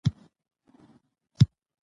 هنر د انسان د تخیل د الوت لپاره وزرونه ورکوي.